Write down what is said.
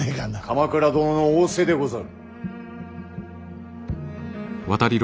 鎌倉殿の仰せでござる。